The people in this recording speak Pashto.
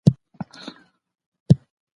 نظریات مو په کمنټ کي ولیکئ.